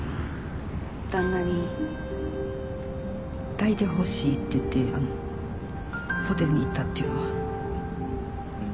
旦那に抱いてほしいって言ってあのホテルに行ったっていうのは。